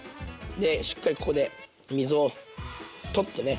でしっかりここで水を取ってね。